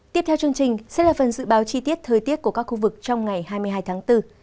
tiếp theo chương trình sẽ là phần dự báo chi tiết thời tiết của các khu vực trong ngày hai mươi hai tháng bốn